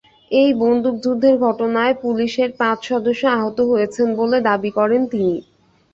ওই বন্দুকযুদ্ধের ঘটনায় পুলিশের পাঁচ সদস্য আহত হয়েছেন বলে দাবি করেন তিনি।